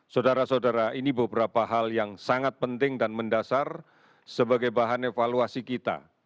saudara saudara ini beberapa hal yang sangat penting dan mendasar sebagai bahan evaluasi kita